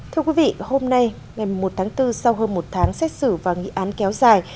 thưa quý vị hôm nay ngày một tháng bốn sau hơn một tháng xét xử và nghị án kéo dài